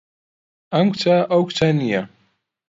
ئەم کچە ئەو کچە نییە.